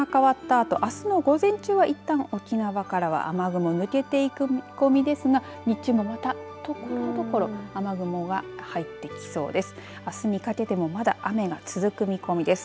そして日付が変わったあとあすの午前中はいったん沖縄からは雨雲抜けていく見込みですが日中もまたところどころ雨雲が入ってきそうです。